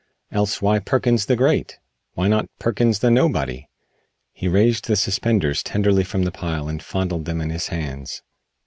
Else why Perkins the Great? Why not Perkins the Nobody?" He raised the suspenders tenderly from the pile and fondled them in his hands.